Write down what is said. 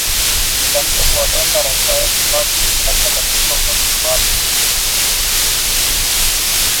Imekanusha kuwalenga raia katika uvamizi wake